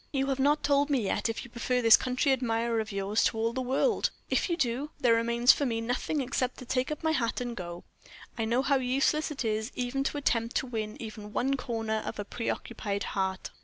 You have not told me yet if you prefer this country admirer of yours to all the world; if you do, there remains for me nothing except to take up my hat and go. I know how useless it is even to attempt to win even one corner of a preoccupied heart."